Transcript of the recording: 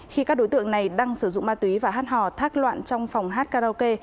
khi các đối tượng này đang sử dụng ma túy và hát hò thác loạn trong phòng hát karaoke